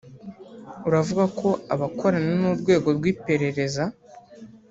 uravuga ko abakorana n’Urwego rw’Iperereza